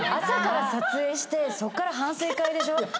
朝から撮影してそっから反省会でしょ。